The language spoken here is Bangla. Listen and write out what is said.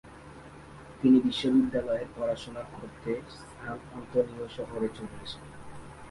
তিনি বিশ্ববিদ্যালয়ের পড়াশোনা করতে সান আন্তোনিও শহরে চলে আসেন।